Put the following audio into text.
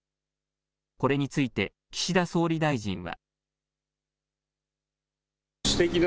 これについて岸田総理大臣は。